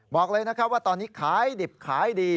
บอกเลยนะครับว่าตอนนี้ขายดิบขายดี